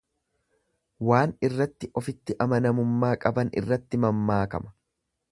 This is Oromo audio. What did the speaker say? Waan irratti ofitti amanamummaa qaban irratti mammaakama.